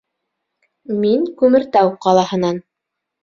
Мин Кумертау ҡалаһынан